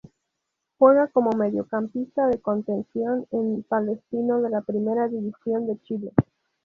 Juega como mediocampista de contención en Palestino de la Primera División de Chile.